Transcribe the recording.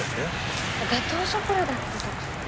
ガトーショコラだって徳さん。